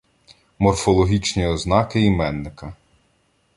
Морфологічні ознаки іменника